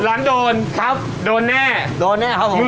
ร้านโดนครับโดนแน่โดนแน่ครับผม